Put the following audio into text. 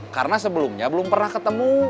karena sebelumnya belum pernah ketemu